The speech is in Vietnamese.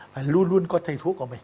phải luôn luôn coi thầy thuốc của mình